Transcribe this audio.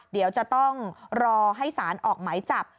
เดี๋ยวจะต้องรอให้สารออกหมายจับ